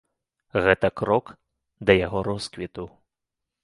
Гэта крок да яго росквіту.